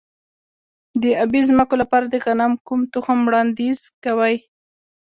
د ابي ځمکو لپاره د غنمو کوم تخم وړاندیز کوئ؟